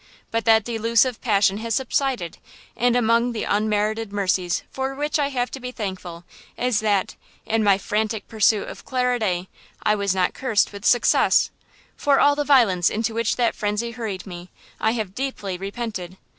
But that delusive passion has subsided, and among the unmerited mercies for which I have to be thankful is that, in my frantic pursuit of Clara Day, I was not cursed with success! For all the violence into which that frenzy hurried me I have deeply repented.